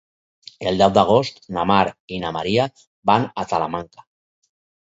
El deu d'agost na Mar i na Maria van a Talamanca.